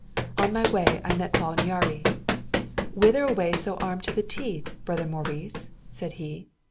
On my way I met Paul Nyáry. "Whither away so armed to the teeth, brother Maurice?" said he.